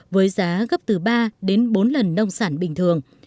với giá gấp từ ba đến bốn lần nông sản bình thường